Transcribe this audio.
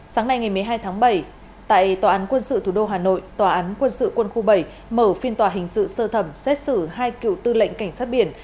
sáng nay ngày một mươi hai tháng bảy tại tòa án quân sự thủ đô hà nội tòa án quân sự quân khu bảy mở phiên tòa hình sự sơ thẩm xét xử hai cựu tư lệnh cảnh sát biển